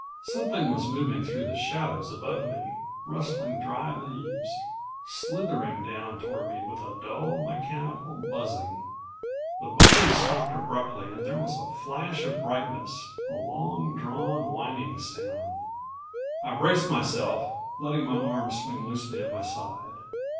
Something was moving through the shadows above me, rustling dry leaves, slithering down toward me with a dull, mechanical buzzing. The buzzing stopped abruptly and there was a flash of brightness, a long drawn whining sound. I braced myself, letting my arms swing loosely at my side.